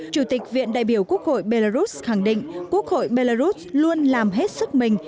chủ tịch viện đại biểu quốc hội belarus khẳng định quốc hội belarus luôn làm hết sức mình